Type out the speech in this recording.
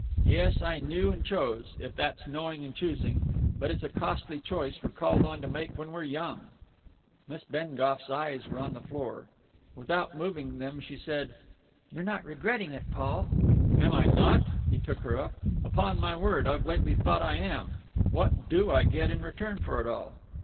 Yes, I knew and chose, if that's knowing and choosing ... but it's a costly choice we're called on to make when we're young!" Miss Bengough's eyes were on the floor. Without moving them she said, "You're not regretting it, Paul?" "Am I not?" he took her up. "Upon my word, I've lately thought I am! What do I get in return for it all?"